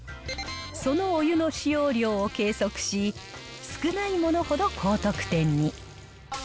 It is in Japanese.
そのお湯の使用量を計測し、少ないものほど高得点に。